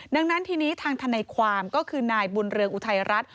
ดังนั้นทีนี้ทางทนายความก็คือนายบุญเรืองอุทัยรัฐ